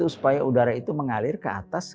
supaya udara itu mengalir ke atas